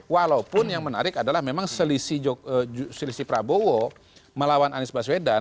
walaupun yang menarik adalah memang selisih prabowo melawan anies baswedan